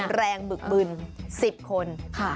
แข็งแรงบึกบึน๑๐คน